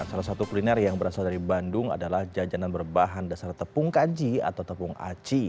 salah satu kuliner yang berasal dari bandung adalah jajanan berbahan dasar tepung kanji atau tepung aci